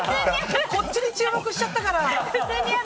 こっちに注目しちゃったから。